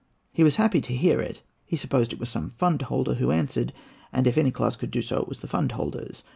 "] He was happy to hear it: he supposed it was some fund holder who answered, and if any class could do so, it was the fund holders.